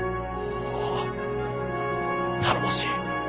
おぉ頼もしい。